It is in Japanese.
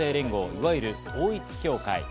いわゆる統一教会。